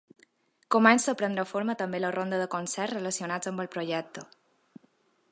Comença a prendre forma també la ronda de concerts relacionats amb el projecte.